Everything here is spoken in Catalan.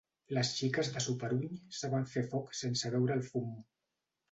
Les xiques de Soperuny saben fer foc sense veure el fum.